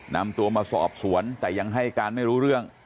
นำตัวมาสอบสวนแต่ยังให้การไม่รู้เรื่อง